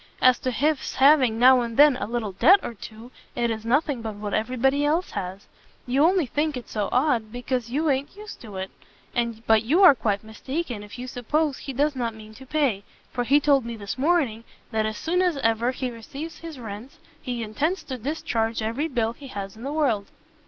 As to his having now and then a little debt or two, it is nothing but what every body else has. You only think it so odd, because you a'n't used to it: but you are quite mistaken if you suppose he does not mean to pay, for he told me this morning that as soon as ever he receives his rents, he intends to discharge every bill he has in the world."